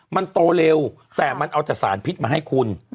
มันโตเร็วแต่มันเอาจากสารพิษมาให้คุณ